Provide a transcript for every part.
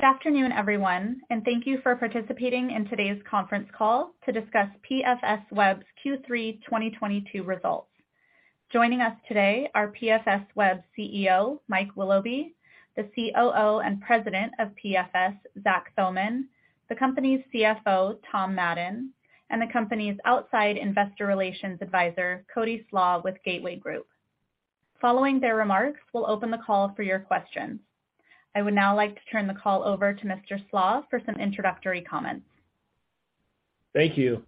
Good afternoon, everyone, and thank you for participating in today's conference call to discuss PFSweb's Q3 2022 results. Joining us today are PFSweb's CEO, Mike Willoughby, the COO and President of PFS, Zach Thomann, the company's CFO, Tom Madden, and the company's outside investor relations advisor, Cody Slach with Gateway Group. Following their remarks, we'll open the call for your questions. I would now like to turn the call over to Mr. Slach for some introductory comments. Thank you.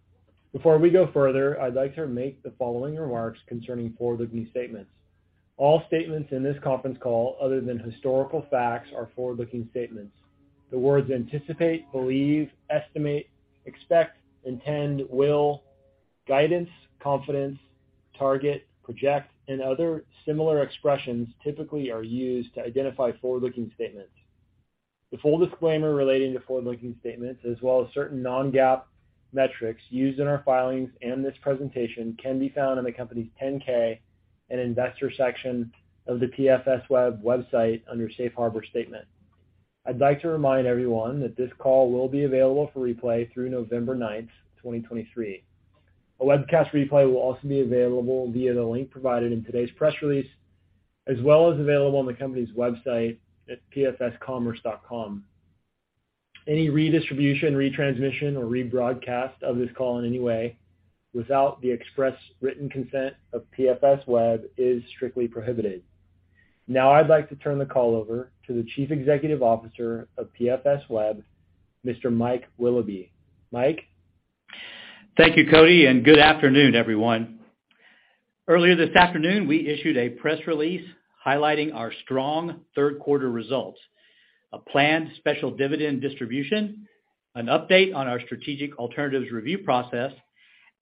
Before we go further, I'd like to make the following remarks concerning forward-looking statements. All statements in this conference call, other than historical facts, are forward-looking statements. The words anticipate, believe, estimate, expect, intend, will, guidance, confidence, target, project, and other similar expressions typically are used to identify forward-looking statements. The full disclaimer relating to forward-looking statements, as well as certain non-GAAP metrics used in our filings and this presentation can be found in the company's 10-K in Investor Section of the PFSweb website under Safe Harbor Statement. I'd like to remind everyone that this call will be available for replay through November 9, 2023. A webcast replay will also be available via the link provided in today's press release, as well as available on the company's website at pfscommerce.com. Any redistribution, retransmission, or rebroadcast of this call in any way without the express written consent of PFSweb is strictly prohibited. Now I'd like to turn the call over to the Chief Executive Officer of PFSweb, Mr. Mike Willoughby. Mike? Thank you, Cody, and good afternoon, everyone. Earlier this afternoon, we issued a press release highlighting our strong third quarter results, a planned special dividend distribution, an update on our strategic alternatives review process,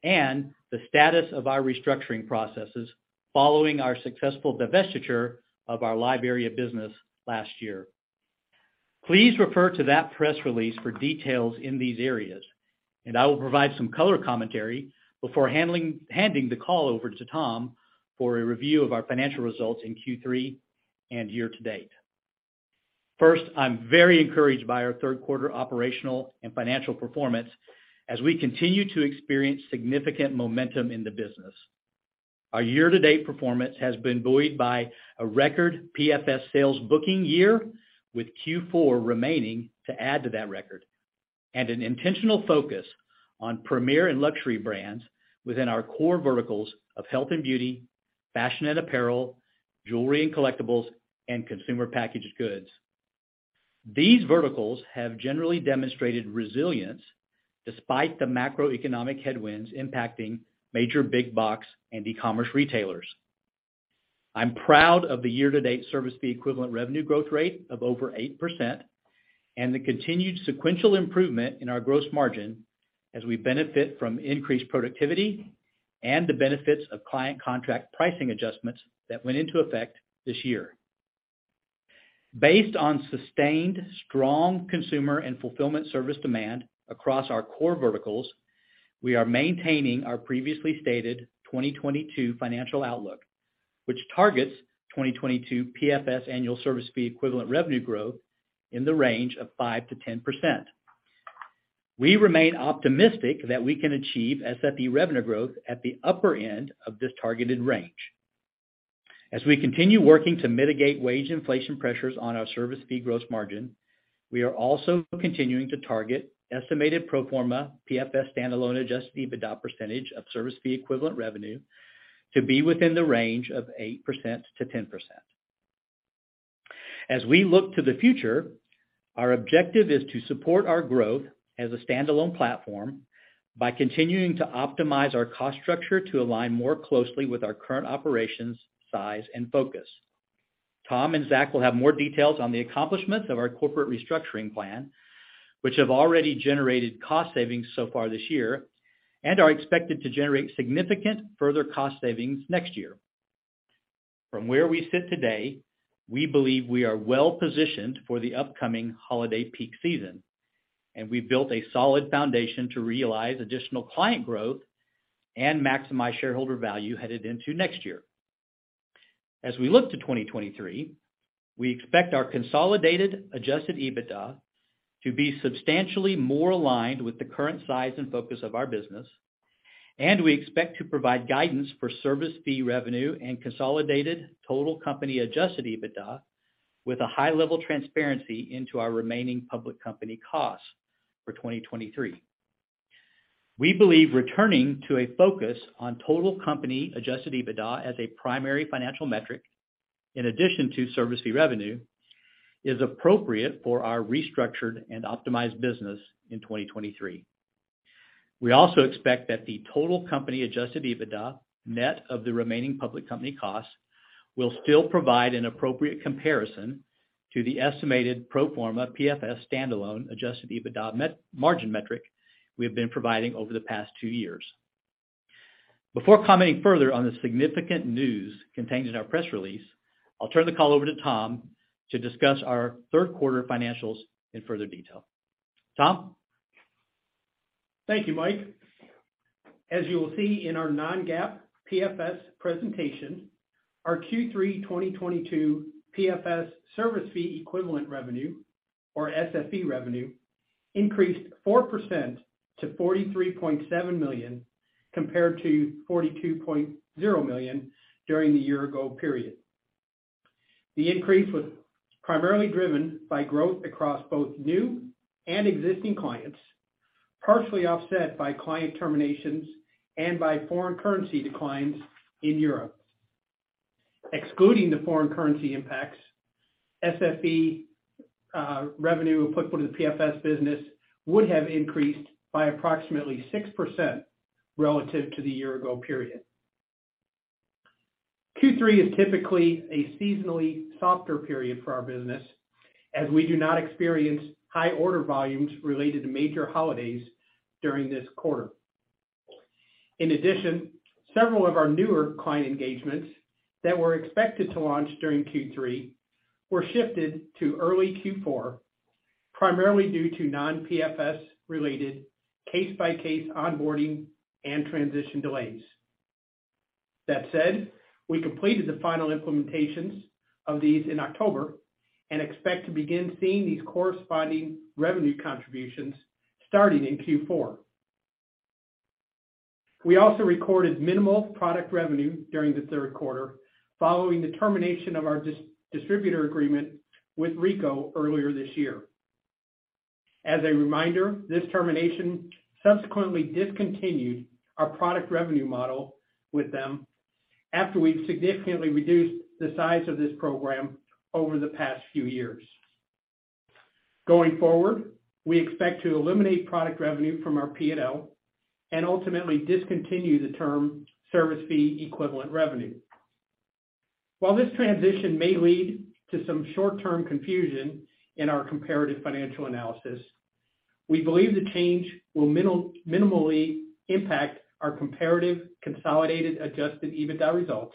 and the status of our restructuring processes following our successful divestiture of our LiveArea business last year. Please refer to that press release for details in these areas, and I will provide some color commentary before handing the call over to Tom for a review of our financial results in Q3 and year-to-date. First, I'm very encouraged by our third quarter operational and financial performance as we continue to experience significant momentum in the business. Our year-to-date performance has been buoyed by a record PFS sales booking year, with Q4 remaining to add to that record, and an intentional focus on premier and luxury brands within our core verticals of health and beauty, fashion and apparel, jewelry and collectibles, and consumer packaged goods. These verticals have generally demonstrated resilience despite the macroeconomic headwinds impacting major big box and e-commerce retailers. I'm proud Service Fee Equivalent Revenue Growth rate of over 8% and the continued sequential improvement in our gross margin as we benefit from increased productivity and the benefits of client contract pricing adjustments that went into effect this year. Based on sustained strong consumer and fulfillment service demand across our core verticals, we are maintaining our previously stated 2022 financial outlook, which targets Service Fee Equivalent Revenue Growth in the range of 5%-10%. We remain optimistic that we can achieve SFE Revenue growth at the upper end of this targeted range. As we continue working to mitigate wage inflation pressures on our service fee gross margin, we are also continuing to target estimated pro forma PFS standalone Adjusted EBITDA percentage of Service Fee Equivalent Revenue to be within the range of 8%-10%. As we look to the future, our objective is to support our growth as a standalone platform by continuing to optimize our cost structure to align more closely with our current operations size and focus. Tom and Zach will have more details on the accomplishments of our corporate restructuring plan, which have already generated cost savings so far this year and are expected to generate significant further cost savings next year. From where we sit today, we believe we are well-positioned for the upcoming holiday peak season, and we've built a solid foundation to realize additional client growth and maximize shareholder value headed into next year. As we look to 2023, we expect Consolidated Adjusted EBITDA to be substantially more aligned with the current size and focus of our business, and we expect to provide guidance for service fee revenue and consolidated total company Adjusted EBITDA with a high level of transparency into our remaining public company costs for 2023. We believe returning to a focus on total company Adjusted EBITDA as a primary financial metric, in addition to service fee revenue, is appropriate for our restructured and optimized business in 2023. We also expect that the total company Adjusted EBITDA net of the remaining public company costs will still provide an appropriate comparison to the estimated pro forma PFS standalone Adjusted EBITDA margin metric we have been providing over the past two years. Before commenting further on the significant news contained in our press release, I'll turn the call over to Tom to discuss our third quarter financials in further detail. Tom? Thank you, Mike. As you will see in our non-GAAP PFS presentation, our Q3 2022 PFS Service Fee Equivalent Revenue or SFE Revenue increased 4% to $43.7 million compared to $42.0 million during the year ago period. The increase was primarily driven by growth across both new and existing clients, partially offset by client terminations and by foreign currency declines in Europe. Excluding the foreign currency impacts, SFE Revenue applicable to the PFS business would have increased by approximately 6% relative to the year ago period. Q3 is typically a seasonally softer period for our business as we do not experience high order volumes related to major holidays during this quarter. In addition, several of our newer client engagements that were expected to launch during Q3 were shifted to early Q4, primarily due to non-PFS related case-by-case onboarding and transition delays. That said, we completed the final implementations of these in October and expect to begin seeing these corresponding revenue contributions starting in Q4. We also recorded minimal product revenue during the third quarter following the termination of our distributor agreement with Ricoh earlier this year. As a reminder, this termination subsequently discontinued our product revenue model with them after we'd significantly reduced the size of this program over the past few years. Going forward, we expect to eliminate product revenue from our P&L and ultimately discontinue the term Service Fee Equivalent Revenue. While this transition may lead to some short-term confusion in our comparative financial analysis, we believe the change will minimally impact our Consolidated Adjusted EBITDA results,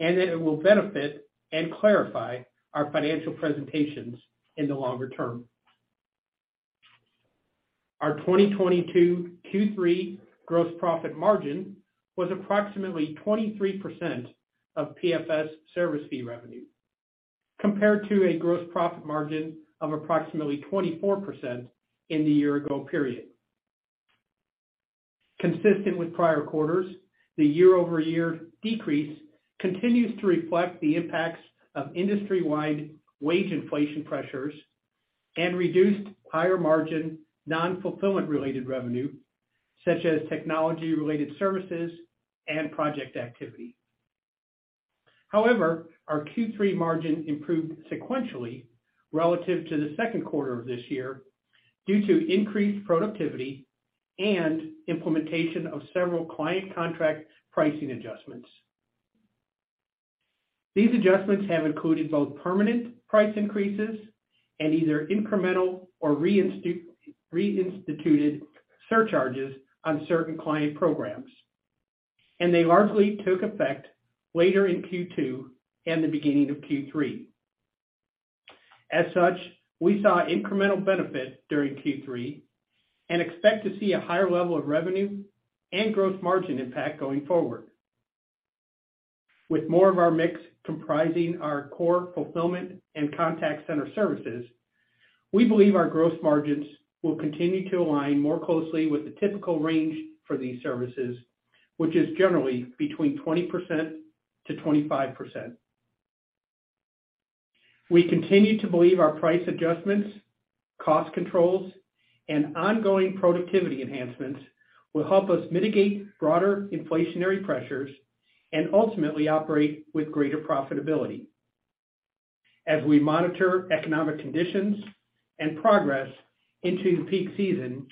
and that it will benefit and clarify our financial presentations in the longer term. Our 2022 Q3 gross profit margin was approximately 23% of PFS service fee revenue, compared to a gross profit margin of approximately 24% in the year ago period. Consistent with prior quarters, the year-over-year decrease continues to reflect the impacts of industry-wide wage inflation pressures and reduced higher margin non-fulfillment related revenue, such as technology related services and project activity. However, our Q3 margin improved sequentially relative to the second quarter of this year due to increased productivity and implementation of several client contract pricing adjustments. These adjustments have included both permanent price increases and either incremental or reinstituted surcharges on certain client programs. They largely took effect later in Q2 and the beginning of Q3. As such, we saw incremental benefit during Q3 and expect to see a higher level of revenue and gross margin impact going forward. With more of our mix comprising our core fulfillment and contact center services, we believe our gross margins will continue to align more closely with the typical range for these services, which is generally between 20%-25%. We continue to believe our price adjustments, cost controls, and ongoing productivity enhancements will help us mitigate broader inflationary pressures and ultimately operate with greater profitability. As we monitor economic conditions and progress into peak season,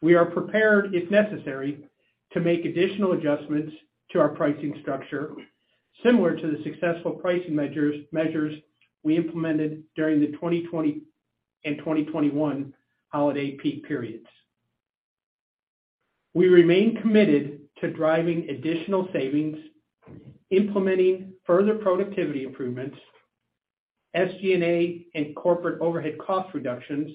we are prepared, if necessary, to make additional adjustments to our pricing structure similar to the successful pricing measures we implemented during the 2020 and 2021 holiday peak periods. We remain committed to driving additional savings, implementing further productivity improvements, SG&A and corporate overhead cost reductions,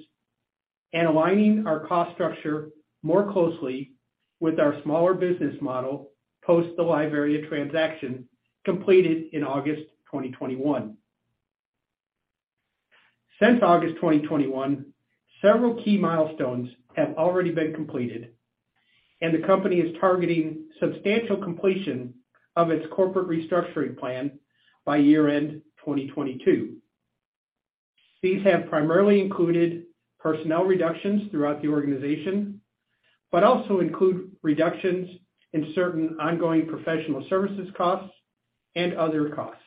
and aligning our cost structure more closely with our smaller business model post the LiveArea transaction completed in August 2021. Since August 2021, several key milestones have already been completed, and the company is targeting substantial completion of its corporate restructuring plan by year-end 2022. These have primarily included personnel reductions throughout the organization but also include reductions in certain ongoing professional services costs and other costs.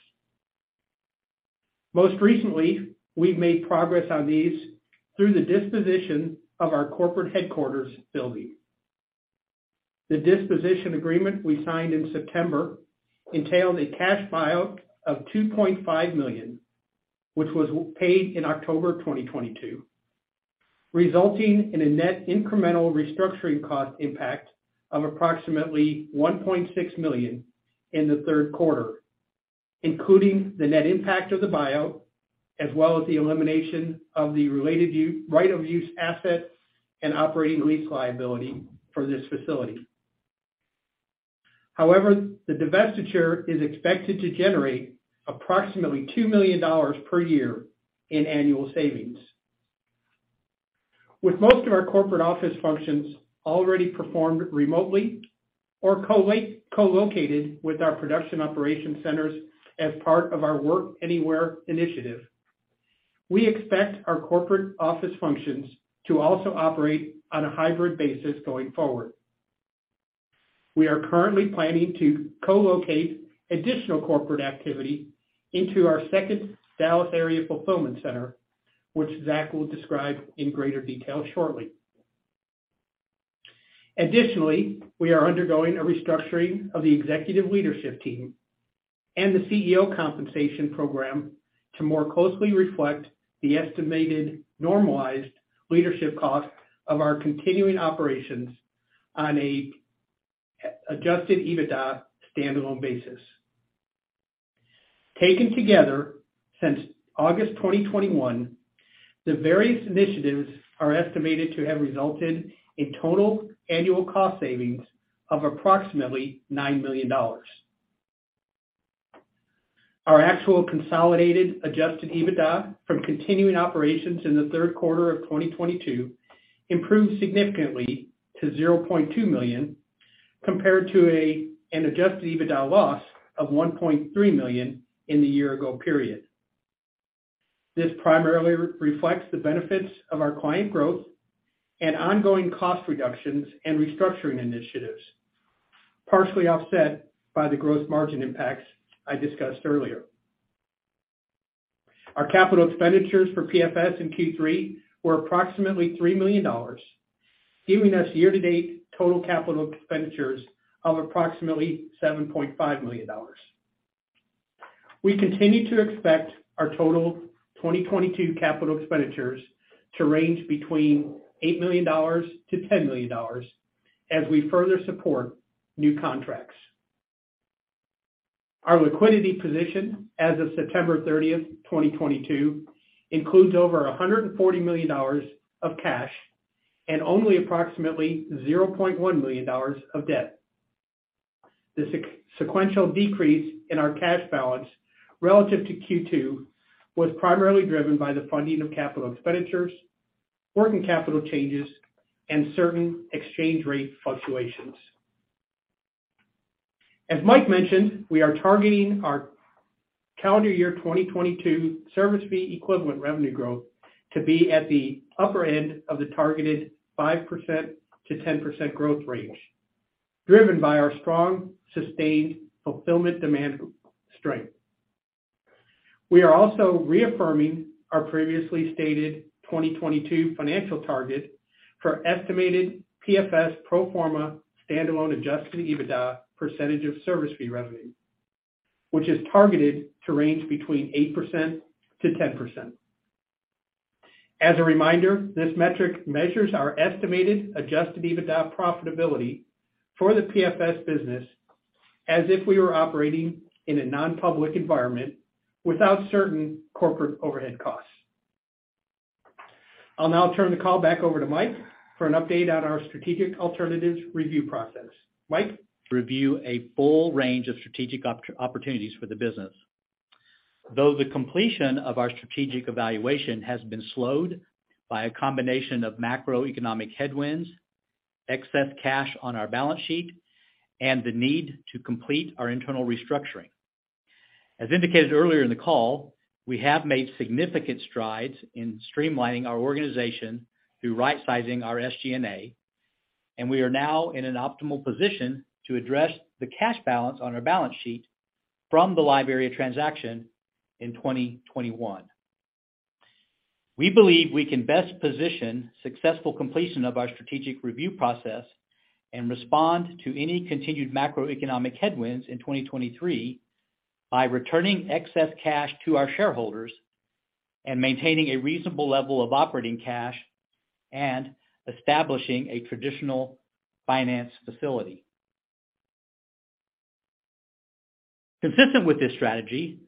Most recently, we've made progress on these through the disposition of our corporate headquarters building. The disposition agreement we signed in September entailed a cash buyout of $2.5 million, which was paid in October 2022, resulting in a net incremental restructuring cost impact of approximately $1.6 million in the third quarter. Including the net impact of the buyout, as well as the elimination of the related right-of-use assets and operating lease liability for this facility. However, the divestiture is expected to generate approximately $2 million per year in annual savings. With most of our corporate office functions already performed remotely or co-located with our production operation centers as part of our Work Anywhere initiative, we expect our corporate office functions to also operate on a hybrid basis going forward. We are currently planning to co-locate additional corporate activity into our second Dallas area fulfillment center, which Zach will describe in greater detail shortly. Additionally, we are undergoing a restructuring of the executive leadership team and the CEO compensation program to more closely reflect the estimated normalized leadership cost of our continuing operations on a Adjusted EBITDA standalone basis. Taken together, since August 2021, the various initiatives are estimated to have resulted in total annual cost savings of approximately $9 million. Our actual Consolidated Adjusted EBITDA from continuing operations in the third quarter of 2022 improved significantly to $0.2 million compared to an Adjusted EBITDA loss of $1.3 million in the year ago period. This primarily reflects the benefits of our client growth and ongoing cost reductions and restructuring initiatives, partially offset by the gross margin impacts I discussed earlier. Our capital expenditures for PFS in Q3 were approximately $3 million, giving us year-to-date total capital expenditures of approximately $7.5 million. We continue to expect our total 2022 capital expenditures to range between $8 million-$10 million as we further support new contracts. Our liquidity position as of September 30th, 2022, includes over $140 million of cash and only approximately $0.1 million of debt. The sequential decrease in our cash balance relative to Q2 was primarily driven by the funding of capital expenditures, working capital changes, and certain exchange rate fluctuations. As Mike mentioned, we are targeting our 2022 Service Fee Equivalent Revenue Growth to be at the upper end of the targeted 5%-10% growth range, driven by our strong, sustained fulfillment demand strength. We are also reaffirming our previously stated 2022 financial target for estimated PFS pro forma standalone Adjusted EBITDA percentage of service fee revenue, which is targeted to range between 8%-10%. As a reminder, this metric measures our estimated Adjusted EBITDA profitability for the PFS business as if we were operating in a non-public environment without certain corporate overhead costs. I'll now turn the call back over to Mike for an update on our strategic alternatives review process. Mike? Review a full range of strategic opportunities for the business. Though the completion of our strategic evaluation has been slowed by a combination of macroeconomic headwinds, excess cash on our balance sheet, and the need to complete our internal restructuring. As indicated earlier in the call, we have made significant strides in streamlining our organization through rightsizing our SG&A, and we are now in an optimal position to address the cash balance on our balance sheet from the LiveArea transaction in 2021. We believe we can best position successful completion of our strategic review process and respond to any continued macroeconomic headwinds in 2023 by returning excess cash to our shareholders and maintaining a reasonable level of operating cash and establishing a traditional finance facility. Consistent with this strategy,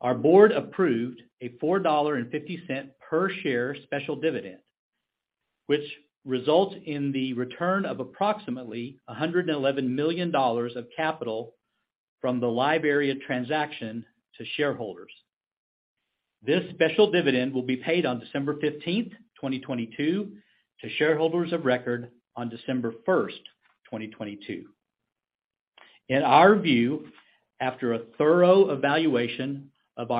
our board approved a $4.50 per share special dividend, which results in the return of approximately $111 million of capital from the LiveArea transaction to shareholders. This special dividend will be paid on December 15th, 2022, to shareholders of record on December 1st, 2022. In our view, after a thorough evaluation of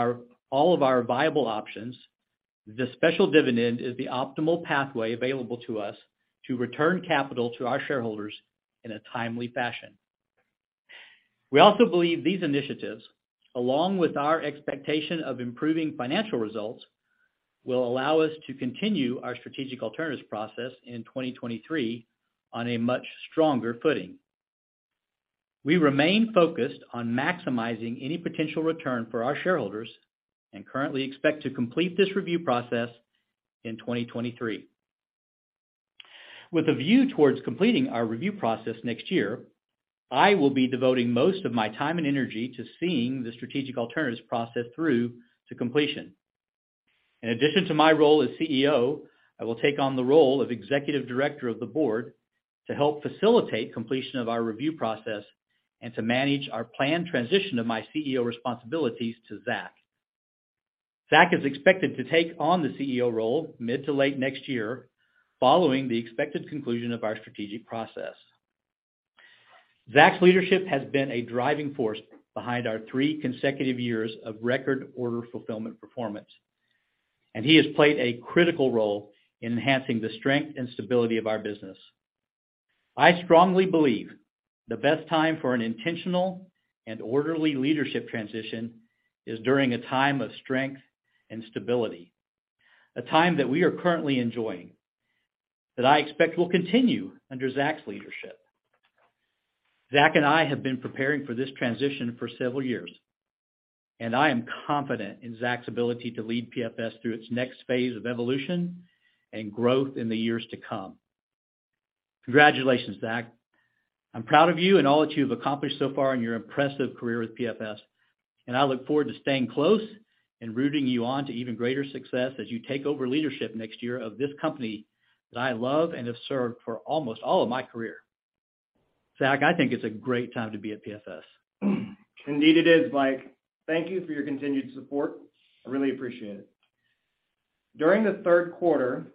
all of our viable options, the special dividend is the optimal pathway available to us to return capital to our shareholders in a timely fashion. We also believe these initiatives, along with our expectation of improving financial results, will allow us to continue our strategic alternatives process in 2023 on a much stronger footing. We remain focused on maximizing any potential return for our shareholders and currently expect to complete this review process in 2023. With a view towards completing our review process next year, I will be devoting most of my time and energy to seeing the strategic alternatives process through to completion. In addition to my role as CEO, I will take on the role of Executive Director of the Board to help facilitate completion of our review process and to manage our planned transition of my CEO responsibilities to Zach. Zach is expected to take on the CEO role mid to late next year following the expected conclusion of our strategic process. Zach's leadership has been a driving force behind our three consecutive years of record order fulfillment performance, and he has played a critical role in enhancing the strength and stability of our business. I strongly believe the best time for an intentional and orderly leadership transition is during a time of strength and stability. A time that we are currently enjoying, that I expect will continue under Zach's leadership. Zach and I have been preparing for this transition for several years, and I am confident in Zach's ability to lead PFS through its next phase of evolution and growth in the years to come. Congratulations, Zach. I'm proud of you and all that you've accomplished so far in your impressive career with PFS, and I look forward to staying close and rooting you on to even greater success as you take over leadership next year of this company that I love and have served for almost all of my career. Zach, I think it's a great time to be at PFS. Indeed it is, Mike. Thank you for your continued support. I really appreciate it. During the third quarter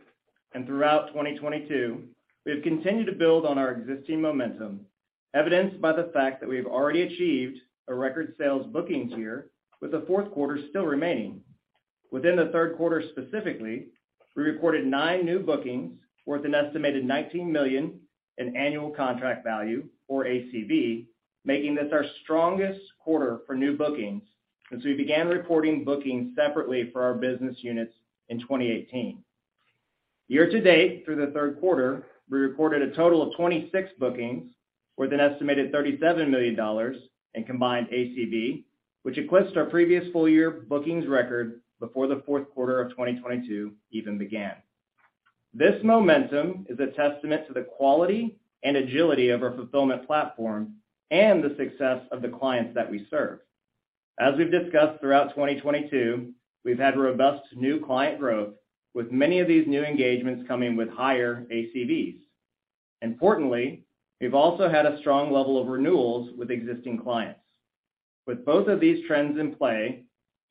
and throughout 2022, we have continued to build on our existing momentum, evidenced by the fact that we have already achieved a record sales bookings year with the fourth quarter still remaining. Within the third quarter specifically, we reported nine new bookings worth an estimated $19 million in Annual Contract Value, or ACV, making this our strongest quarter for new bookings since we began reporting bookings separately for our business units in 2018. Year to date through the third quarter, we reported a total of 26 bookings with an estimated $37 million in combined ACV, which eclipsed our previous full year bookings record before the fourth quarter of 2022 even began. This momentum is a testament to the quality and agility of our fulfillment platform and the success of the clients that we serve. As we've discussed throughout 2022, we've had robust new client growth with many of these new engagements coming with higher ACVs. Importantly, we've also had a strong level of renewals with existing clients. With both of these trends in play,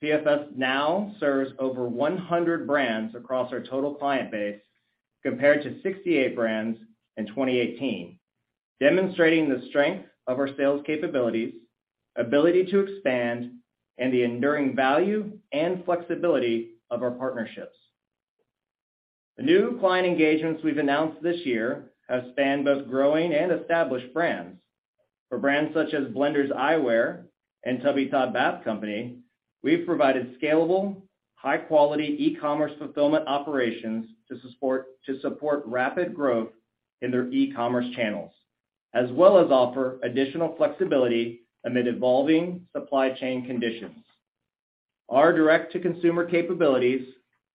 PFS now serves over 100 brands across our total client base compared to 68 brands in 2018, demonstrating the strength of our sales capabilities, ability to expand, and the enduring value and flexibility of our partnerships. The new client engagements we've announced this year have spanned both growing and established brands. For brands such as Blenders Eyewear and Tubby Todd Bath Co., we've provided scalable, high-quality e-commerce fulfillment operations to support rapid growth in their e-commerce channels, as well as offer additional flexibility amid evolving supply chain conditions. Our direct-to-consumer capabilities,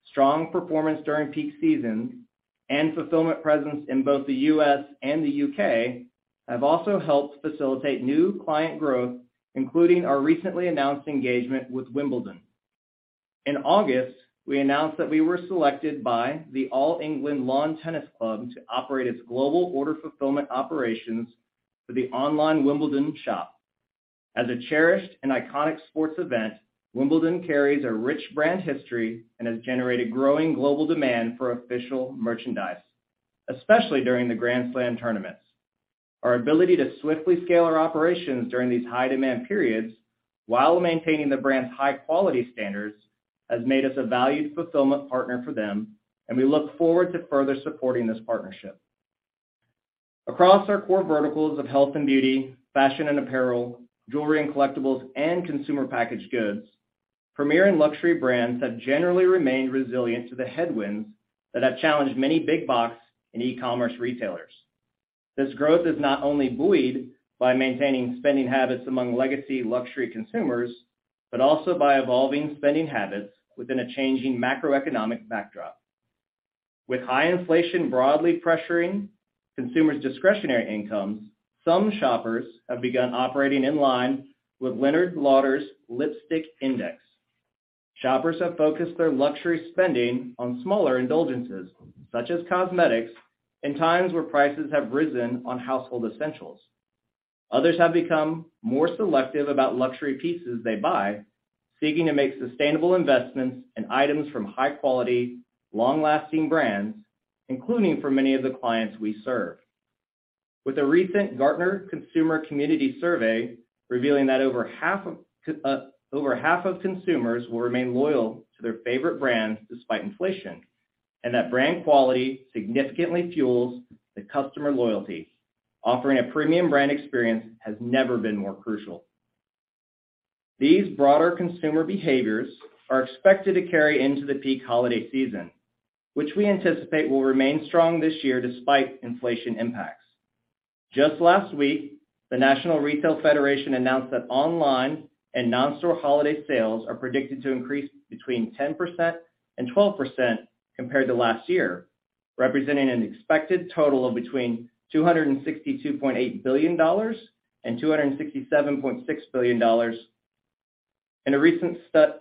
strong performance during peak season, and fulfillment presence in both the U.S. and the U.K. have also helped facilitate new client growth, including our recently announced engagement with Wimbledon. In August, we announced that we were selected by the All England Lawn Tennis & Croquet Club to operate its global order fulfillment operations for the online Wimbledon shop. As a cherished and iconic sports event, Wimbledon carries a rich brand history and has generated growing global demand for official merchandise, especially during the Grand Slam tournaments. Our ability to swiftly scale our operations during these high-demand periods while maintaining the brand's high-quality standards has made us a valued fulfillment partner for them, and we look forward to further supporting this partnership. Across our core verticals of health and beauty, fashion and apparel, jewelry and collectibles, and consumer packaged goods, premier and luxury brands have generally remained resilient to the headwinds that have challenged many big box and e-commerce retailers. This growth is not only buoyed by maintaining spending habits among legacy luxury consumers, but also by evolving spending habits within a changing macroeconomic backdrop. With high inflation broadly pressuring consumers' discretionary incomes, some shoppers have begun operating in line with Leonard Lauder's Lipstick Index. Shoppers have focused their luxury spending on smaller indulgences, such as cosmetics in times where prices have risen on household essentials. Others have become more selective about luxury pieces they buy, seeking to make sustainable investments in items from high-quality, long-lasting brands, including for many of the clients we serve. With a recent Gartner consumer community survey revealing that over half of consumers will remain loyal to their favorite brands despite inflation, and that brand quality significantly fuels the customer loyalty, offering a premium brand experience has never been more crucial. These broader consumer behaviors are expected to carry into the peak holiday season, which we anticipate will remain strong this year despite inflation impacts. Just last week, the National Retail Federation announced that online and non-store holiday sales are predicted to increase between 10% and 12% compared to last year, representing an expected total of between $262.8 billion and $267.6 billion. In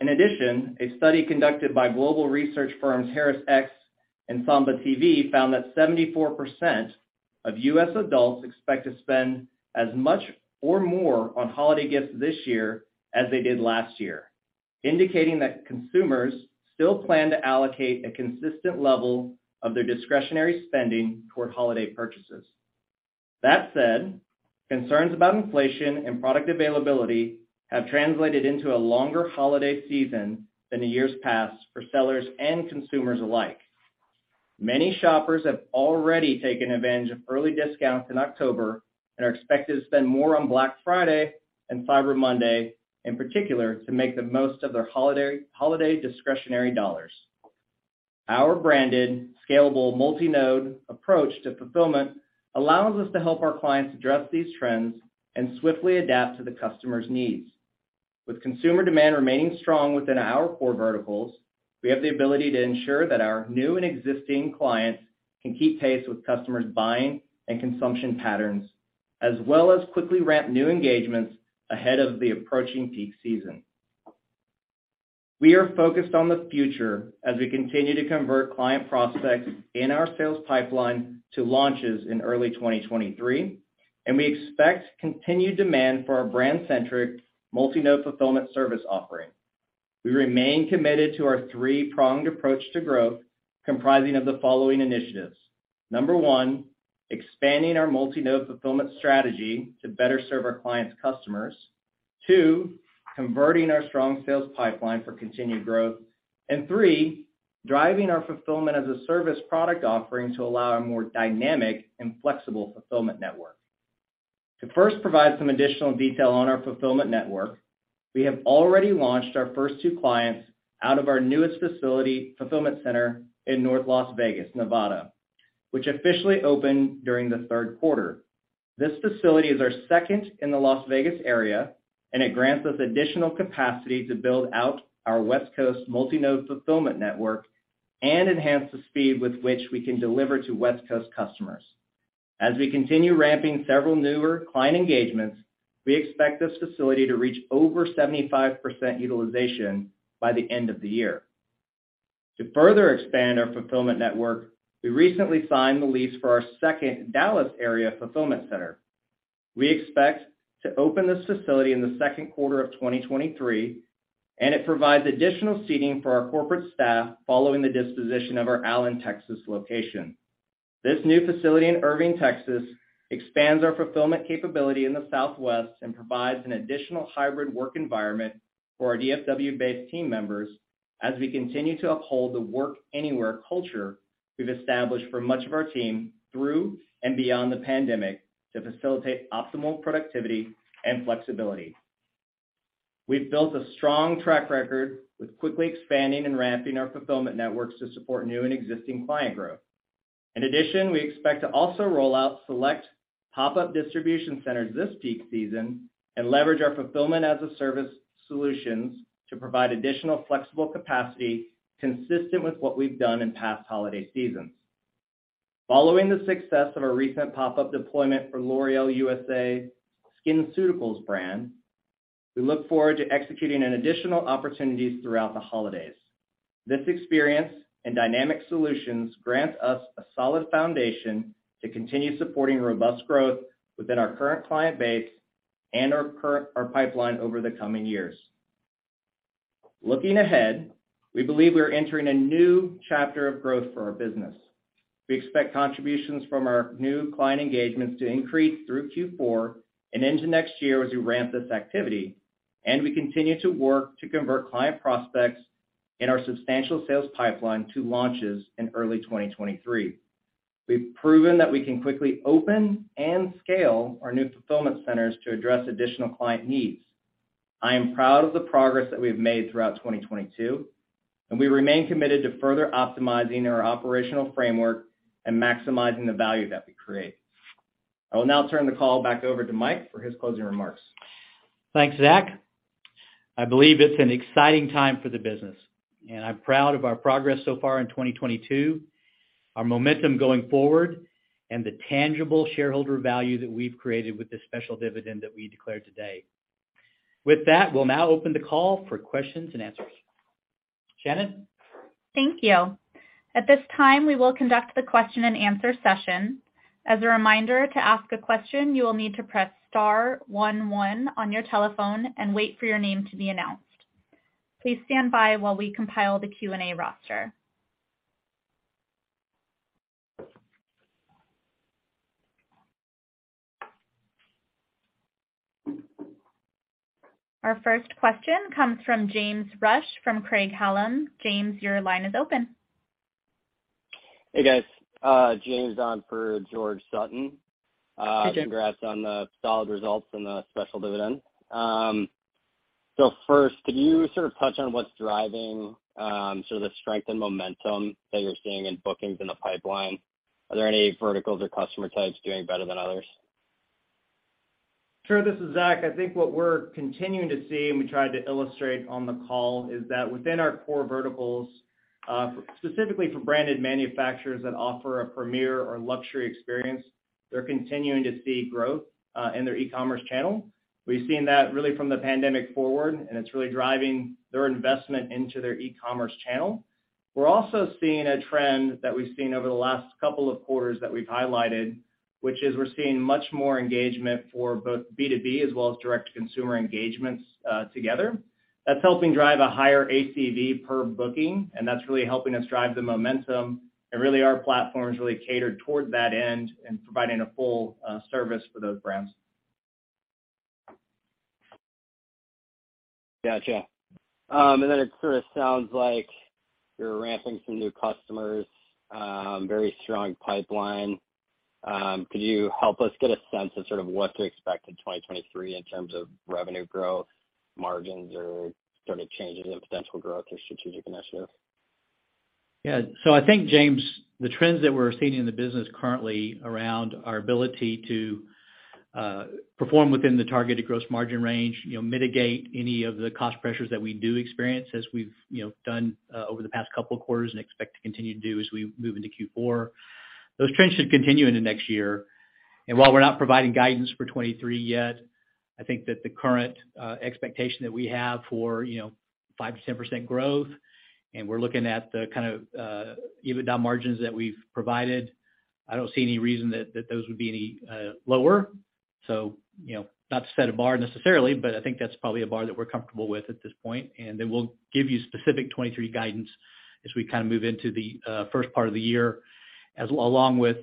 addition, a study conducted by global research firms HarrisX and Samba TV found that 74% of U.S. adults expect to spend as much or more on holiday gifts this year as they did last year, indicating that consumers still plan to allocate a consistent level of their discretionary spending toward holiday purchases. That said, concerns about inflation and product availability have translated into a longer holiday season than in years past for sellers and consumers alike. Many shoppers have already taken advantage of early discounts in October and are expected to spend more on Black Friday and Cyber Monday, in particular, to make the most of their holiday discretionary dollars. Our branded, scalable, multi-node approach to fulfillment allows us to help our clients address these trends and swiftly adapt to the customer's needs. With consumer demand remaining strong within our core verticals, we have the ability to ensure that our new and existing clients can keep pace with customers' buying and consumption patterns, as well as quickly ramp new engagements ahead of the approaching peak season. We are focused on the future as we continue to convert client prospects in our sales pipeline to launches in early 2023, and we expect continued demand for our brand-centric multi-node fulfillment service offering. We remain committed to our three-pronged approach to growth comprising of the following initiatives. Number one, expanding our multi-node fulfillment strategy to better serve our clients' customers. Two, converting our strong sales pipeline for continued growth. And three, driving our Fulfillment-as-a-Service product offering to allow a more dynamic and flexible fulfillment network. To first provide some additional detail on our fulfillment network, we have already launched our first two clients out of our newest facility fulfillment center in North Las Vegas, Nevada, which officially opened during the third quarter. This facility is our second in the Las Vegas area, and it grants us additional capacity to build out our West Coast multi-node fulfillment network and enhance the speed with which we can deliver to West Coast customers. As we continue ramping several newer client engagements, we expect this facility to reach over 75% utilization by the end of the year. To further expand our fulfillment network, we recently signed the lease for our second Dallas area fulfillment center. We expect to open this facility in the second quarter of 2023, and it provides additional seating for our corporate staff following the disposition of our Allen, Texas location. This new facility in Irving, Texas expands our fulfillment capability in the Southwest and provides an additional hybrid work environment for our DFW-based team members as we continue to uphold the Work Anywhere culture we've established for much of our team through and beyond the pandemic to facilitate optimal productivity and flexibility. We've built a strong track record with quickly expanding and ramping our fulfillment networks to support new and existing client growth. In addition, we expect to also roll out select pop-up distribution centers this peak season and leverage our Fulfillment-as-a-Service solutions to provide additional flexible capacity consistent with what we've done in past holiday seasons. Following the success of our recent pop-up deployment for L'Oréal USA SkinCeuticals brand, we look forward to executing on additional opportunities throughout the holidays. This experience and dynamic solutions grant us a solid foundation to continue supporting robust growth within our current client base and our pipeline over the coming years. Looking ahead, we believe we're entering a new chapter of growth for our business. We expect contributions from our new client engagements to increase through Q4 and into next year as we ramp this activity, and we continue to work to convert client prospects in our substantial sales pipeline to launches in early 2023. We've proven that we can quickly open and scale our new fulfillment centers to address additional client needs. I am proud of the progress that we've made throughout 2022, and we remain committed to further optimizing our operational framework and maximizing the value that we create. I will now turn the call back over to Mike for his closing remarks. Thanks, Zach. I believe it's an exciting time for the business, and I'm proud of our progress so far in 2022, our momentum going forward, and the tangible shareholder value that we've created with this special dividend that we declared today. With that, we'll now open the call for questions and answers. Shannon? Thank you. At this time, we will conduct the question-and-answer session. As a reminder, to ask a question, you will need to press star one one on your telephone and wait for your name to be announced. Please stand by while we compile the Q&A roster. Our first question comes from James Rush from Craig-Hallum. James, your line is open. Hey, guys. James on for George Sutton. Hey, James. Congrats on the solid results and the special dividend. First, could you sort of touch on what's driving, sort of the strength and momentum that you're seeing in bookings in the pipeline? Are there any verticals or customer types doing better than others? Sure. This is Zach. I think what we're continuing to see, and we tried to illustrate on the call, is that within our core verticals, specifically for branded manufacturers that offer a premier or luxury experience, they're continuing to see growth in their e-commerce channel. We've seen that really from the pandemic forward, and it's really driving their investment into their e-commerce channel. We're also seeing a trend that we've seen over the last couple of quarters that we've highlighted, which is we're seeing much more engagement for both B2B as well as direct-to-consumer engagements, together. That's helping drive a higher ACV per booking, and that's really helping us drive the momentum. Really, our platform is really catered towards that end and providing a full service for those brands. Gotcha. Then it sort of sounds like you're ramping some new customers, very strong pipeline. Could you help us get a sense of sort of what to expect in 2023 in terms of revenue growth, margins or sort of changes in potential growth or strategic initiatives? Yeah. I think, James, the trends that we're seeing in the business currently around our ability to perform within the targeted gross margin range, you know, mitigate any of the cost pressures that we do experience as we've, you know, done over the past couple of quarters and expect to continue to do as we move into Q4. Those trends should continue into next year. While we're not providing guidance for 2023 yet, I think that the current expectation that we have for, you know, 5%-10% growth, and we're looking at the kind of EBITDA margins that we've provided. I don't see any reason that that those would be any lower. You know, not to set a bar necessarily, but I think that's probably a bar that we're comfortable with at this point. Then we'll give you specific 2023 guidance as we kinda move into the first part of the year, along with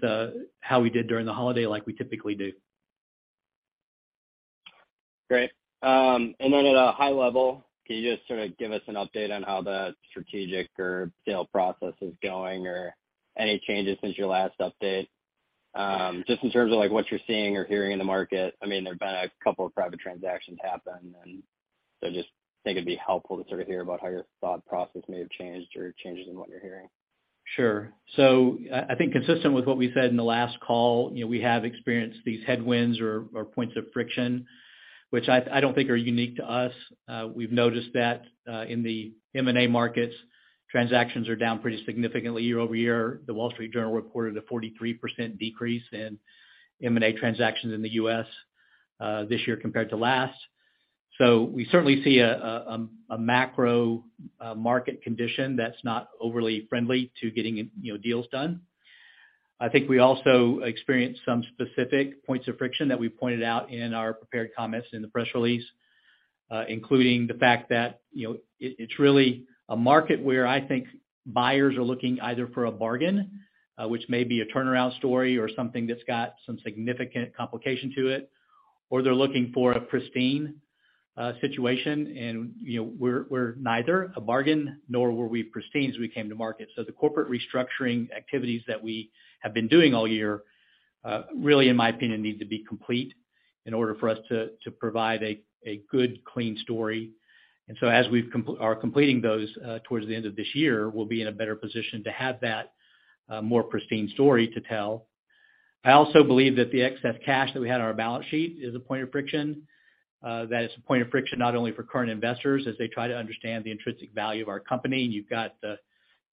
how we did during the holiday like we typically do. Great. Then at a high level, can you just sort of give us an update on how the strategic or sale process is going or any changes since your last update? Just in terms of, like, what you're seeing or hearing in the market. I mean, there have been a couple of private transactions happen, and so just think it'd be helpful to sort of hear about how your thought process may have changed or changes in what you're hearing. Sure. I think consistent with what we said in the last call, you know, we have experienced these headwinds or points of friction, which I don't think are unique to us. We've noticed that in the M&A markets, transactions are down pretty significantly year-over-year. The Wall Street Journal reported a 43% decrease in M&A transactions in the U.S. this year compared to last. We certainly see a macro market condition that's not overly friendly to getting, you know, deals done. I think we also experienced some specific points of friction that we pointed out in our prepared comments in the press release, including the fact that, you know, it's really a market where I think buyers are looking either for a bargain, which may be a turnaround story or something that's got some significant complication to it, or they're looking for a pristine situation. You know, we're neither a bargain nor were we pristine as we came to market. The corporate restructuring activities that we have been doing all year really, in my opinion, need to be complete in order for us to provide a good, clean story. As we are completing those towards the end of this year, we'll be in a better position to have that more pristine story to tell. I also believe that the excess cash that we had on our balance sheet is a point of friction, that it's a point of friction not only for current investors as they try to understand the intrinsic value of our company, and you've got the,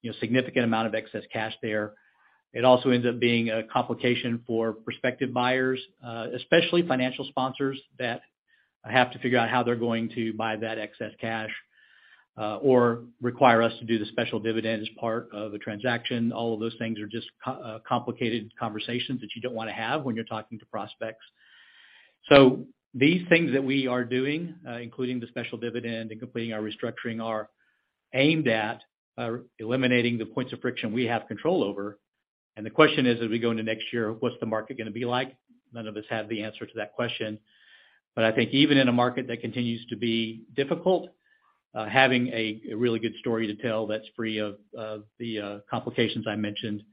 you know, significant amount of excess cash there. It also ends up being a complication for prospective buyers, especially financial sponsors that have to figure out how they're going to buy that excess cash or require us to do the special dividend as part of a transaction. All of those things are just complicated conversations that you don't wanna have when you're talking to prospects. These things that we are doing, including the special dividend and completing our restructuring, are aimed at eliminating the points of friction we have control over. The question is, as we go into next year, what's the market gonna be like? None of us have the answer to that question. I think even in a market that continues to be difficult, having a really good story to tell that's free of the complications I mentioned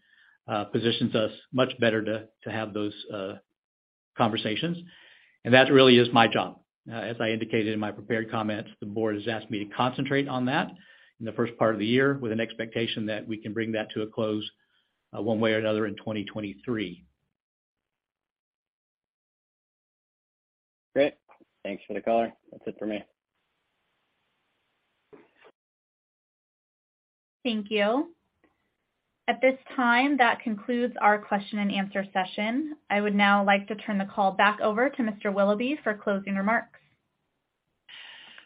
positions us much better to have those conversations. That really is my job. As I indicated in my prepared comments, the board has asked me to concentrate on that in the first part of the year with an expectation that we can bring that to a close one way or another in 2023. Great. Thanks for the color. That's it for me. Thank you. At this time, that concludes our question-and-answer session. I would now like to turn the call back over to Mr. Willoughby for closing remarks.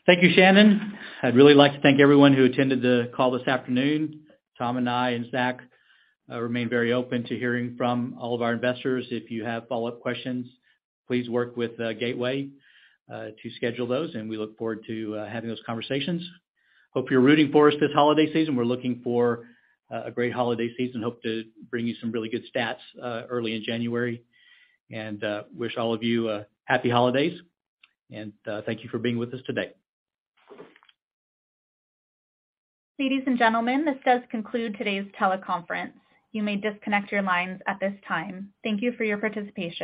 Thank you, Shannon. I'd really like to thank everyone who attended the call this afternoon. Tom and I and Zach remain very open to hearing from all of our investors. If you have follow-up questions, please work with Gateway to schedule those, and we look forward to having those conversations. Hope you're rooting for us this holiday season. We're looking for a great holiday season. Hope to bring you some really good stats early in January. Wish all of you a happy holidays and thank you for being with us today. Ladies and gentlemen, this does conclude today's teleconference. You may disconnect your lines at this time. Thank you for your participation.